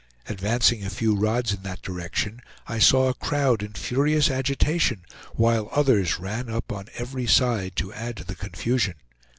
Advancing a few rods in that direction, I saw a crowd in furious agitation, while others ran up on every side to add to the confusion.